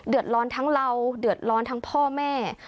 เดือดร้อนทั้งเราเดือดร้อนทั้งพ่อแม่